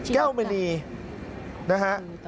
แก้วมณีนะฮะ